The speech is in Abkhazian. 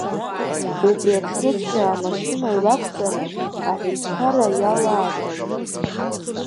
Убри аҽныҵәҟьа амашьына илақәҵаны, аҳәынҭқарра иалаагалоит.